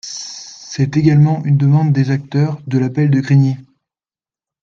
C’est également une demande des acteurs de l’appel de Grigny.